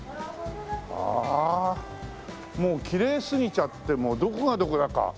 ああもうきれいすぎちゃってもうどこがどこだか。